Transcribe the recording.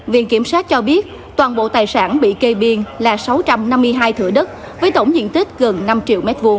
viện kiểm sát cho biết toàn bộ tài sản bị kê biên là sáu trăm năm mươi hai thửa đất với tổng diện tích gần năm triệu m hai